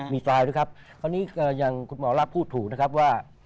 มีปลายด้วยครับคราวนี้อย่างคุณหมอลักษ์พูดถูกนะครับว่า